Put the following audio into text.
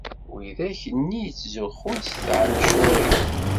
Widak-nni yettzuxxun s tɛencurin.